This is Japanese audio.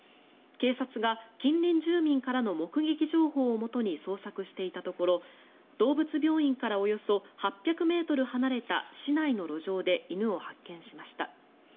警察が近隣住民からの目撃情報をもとに捜索していたところ動物病院からおよそ８００ｍ離れた市内の路上で犬を発見しました。